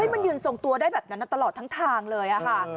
มันยืนทรงตัวได้แบบนั้นตลอดทั้งทางเลยค่ะ